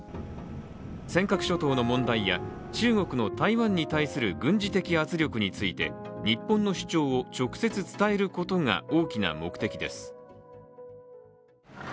尖閣諸島の問題や中国の台湾に対する軍事的圧力について日本の主張を直接伝えることが大きな目的です